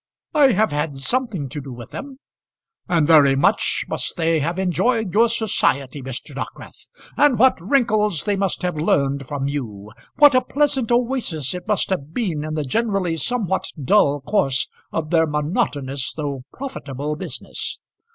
"I have had something to do with them." "And very much they must have enjoyed your society, Mr. Dockwrath! And what wrinkles they must have learned from you! What a pleasant oasis it must have been in the generally somewhat dull course of their monotonous though profitable business!